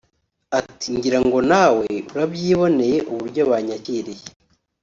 ati “Ngira ngo nawe urabyiboneye uburyo banyakiriye